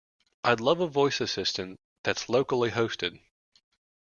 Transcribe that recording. I'd love a voice assistant that's locally hosted.